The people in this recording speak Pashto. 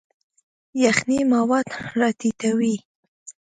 یخنۍ مواد راټیټوي.